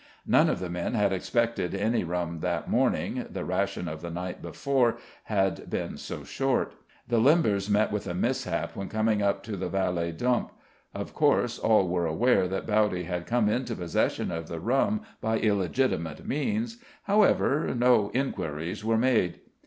None of the men had expected any rum that morning, the rations of the night before had been so short; the limbers met with a mishap when coming up to the Vallé Dump. Of course, all were aware that Bowdy had come into possession of the rum by illegitimate means. However, no enquiries were made.